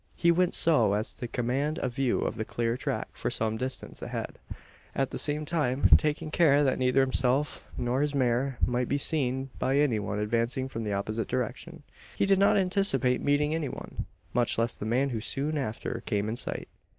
He went so as to command a view of the clear track for some distance ahead; at the same time taking care that neither himself, nor his mare, might be seen by any one advancing from the opposite direction. He did not anticipate meeting any one much less the man who soon after came in sight.